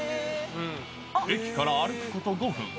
駅から歩くこと５分。